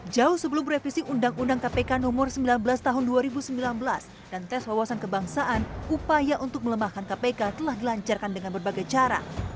jauh sebelum revisi undang undang kpk nomor sembilan belas tahun dua ribu sembilan belas dan tes wawasan kebangsaan upaya untuk melemahkan kpk telah dilancarkan dengan berbagai cara